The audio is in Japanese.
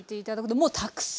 もうたくさん。